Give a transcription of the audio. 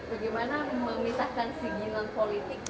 bagaimana memisahkan sisi non politik